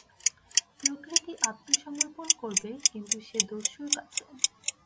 প্রকৃতি আত্মসমর্পণ করবে, কিন্তু সে দস্যুর কাছে।